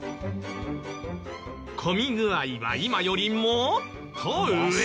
混み具合は今よりもーっと上！